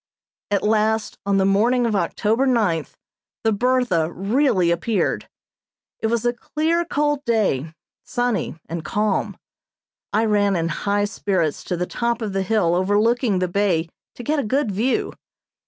At last, on the morning of October ninth, the "Bertha" really appeared. It was a clear, cold day, sunny and calm. I ran in high spirits to the top of the hill overlooking the bay to get a good view.